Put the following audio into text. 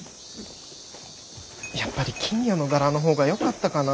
やっぱり金魚の柄の方がよかったかな？